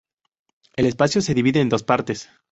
El espacio se divide en dos partes.